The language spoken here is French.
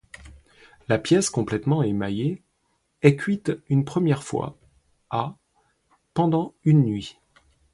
La pièce complètement émaillée est cuite une première fois à pendant une nuit.